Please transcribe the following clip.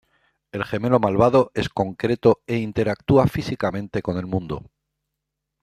El gemelo malvado es concreto e interactúa físicamente con el mundo.